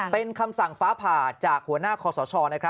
เป็นคำสั่งฟ้าผ่าจากหัวหน้าคอสช